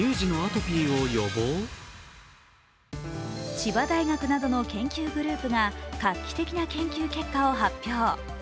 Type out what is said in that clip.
千葉大学などの研究グループなどが画期的な研究結果を発表。